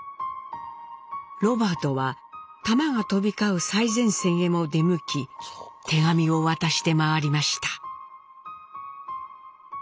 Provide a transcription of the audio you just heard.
ロバートは弾が飛び交う最前線へも出向き手紙を渡して回りました。